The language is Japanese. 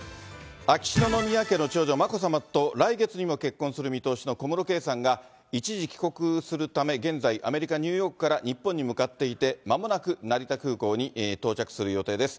秋篠宮家の長女、眞子さまと来月にも結婚する見通しの小室圭さんが、一時帰国するため、現在、アメリカ・ニューヨークから日本に向かっていて、まもなく成田空港に到着する予定です。